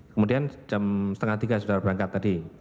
kemudian jam setengah tiga sudah berangkat tadi